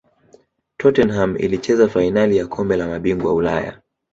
tottenham ilicheza fainali ya kombe la mabingwa ulaya